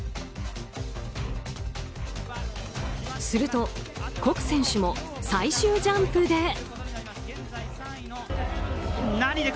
するとコク選手も最終ジャンプで。